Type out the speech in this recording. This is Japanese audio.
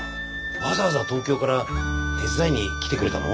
わざわざ東京から手伝いに来てくれたの？